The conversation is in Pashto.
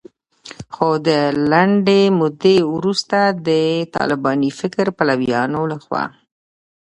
خو د لنډې مودې وروسته د طالباني فکر پلویانو لخوا